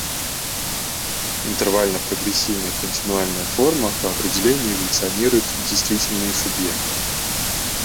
Интервально-прогрессийная континуальная форма, по определению, эволюционирует в действительный субъект.